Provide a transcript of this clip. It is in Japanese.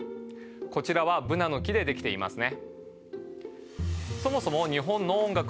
こちらはブナの木でできていますね。